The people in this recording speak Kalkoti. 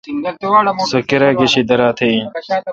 سو کیرا گشی دیراتھ این۔